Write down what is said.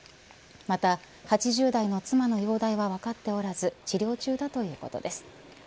また８０代の妻の容体は分かっておらず治療中だということです。